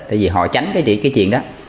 tại vì họ tránh cái chuyện đó